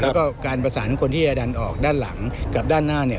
แล้วก็การประสานคนที่จะดันออกด้านหลังกับด้านหน้าเนี่ย